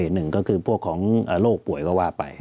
หนึ่งก็คือพวกของโรคป่วยก็ว่าไป